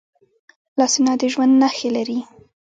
لاسونه د ژوند نښې لري